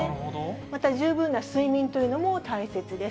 また十分な睡眠というのも大切です。